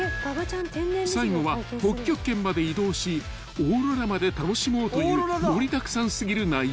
［最後は北極圏まで移動しオーロラまで楽しもうという盛りだくさん過ぎる内容］